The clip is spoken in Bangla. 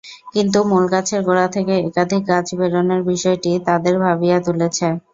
কিন্তু মূল গাছের গোড়া থেকে একাধিক গাছ বেরোনোর বিষয়টি তাঁদের ভাবিয়ে তুলেছে।